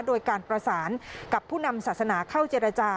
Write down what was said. โดยการประสานกับผู้นำศาสนาเข้าเจรจา